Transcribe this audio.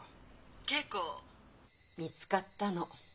桂子見つかったの。